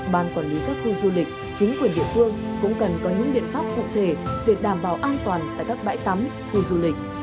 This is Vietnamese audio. ban quản lý các khu du lịch chính quyền địa phương cũng cần có những biện pháp cụ thể để đảm bảo an toàn tại các bãi tắm khu du lịch